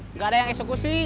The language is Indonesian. nggak ada yang eksekusi